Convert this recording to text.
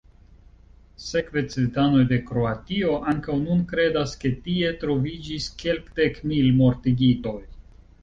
Sekve civitanoj de Kroatio ankaŭ nun kredas, ke tie troviĝis kelkdekmil mortigitoj.